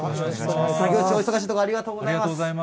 作業中お忙しいところありがとうございます。